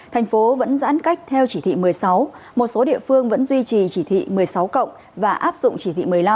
thành phố vẫn giãn cách theo chỉ thị một mươi sáu một số địa phương vẫn duy trì chỉ thị một mươi sáu cộng và áp dụng chỉ thị một mươi năm